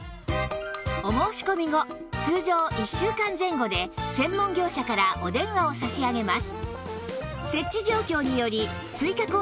お申し込み後通常１週間前後で専門業者からお電話を差し上げます